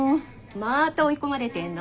また追い込まれてんの？